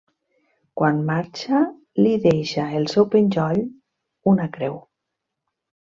Quan marxa, li deixa el seu penjoll, una creu.